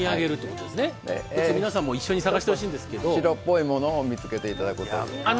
皆さんも一緒に探してほしいんですけど白っぽいものを見つけてもらいます。